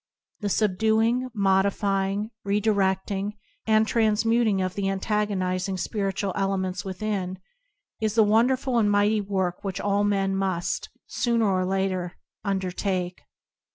The subduing, modifying, redirect ing, and transmuting of the antagonizing spiritual elements within, is the wonderful and mighty work which all men must, sooner or later, undertake.